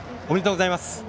おめでとうございます。